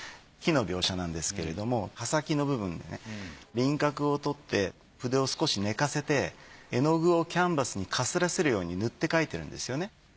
木の描写なんですけれども葉先の部分でね輪郭をとって筆を少し寝かせて絵の具をキャンバスにかすらせるように塗って描いてるんですよね。